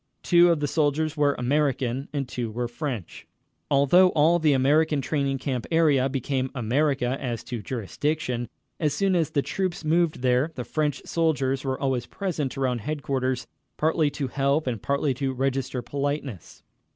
Two of the soldiers were American and two were French. Although all the American training camp area became America as to jurisdiction, as soon as the troops moved there, the French soldiers were always present around headquarters, partly to help and partly to register politeness.